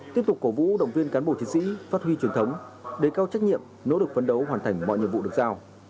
tiếp tục cổ vũ động viên cán bộ chiến sĩ phát huy truyền thống đề cao trách nhiệm nỗ lực phấn đấu hoàn thành mọi nhiệm vụ được giao